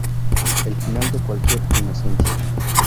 El final de cualquier inocencia.